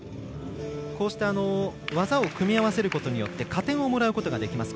こうした技を組み合わせることによって加点をもらうことができます。